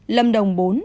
lâm đồng bốn